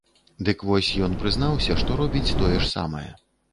Дык вось ён прызнаўся, што робіць тое ж самае.